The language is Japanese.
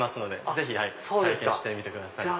ぜひ体験してみてください。